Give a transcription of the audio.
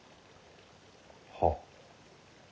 はっ。